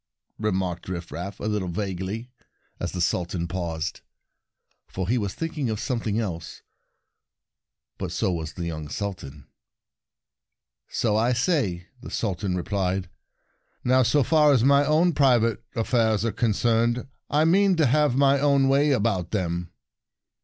remarked Rifraf, a little vaguely, as the Sultan paused, for he was Rifraf Wanders Verses 49 thinking of something else. A Feeler But so was the young Suhan. "So I say," the Sultan re plied. " Now, so far as my own private affairs are con cerned, I mean to have my own way about them."